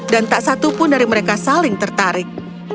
dan tak satu pun dari mereka saling tertarik